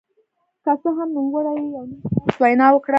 که څه هم نوموړي يو نيم ساعت وينا وکړه.